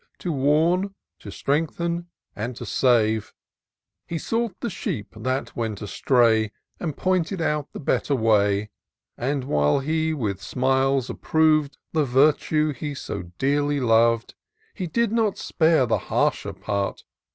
To warn, to strengthen, and to save : He sought the sheep that went astray, And pointed out the better way : But while he veith his smiles approved The virtue he so dearly lov'd, He did not spare the harsher part.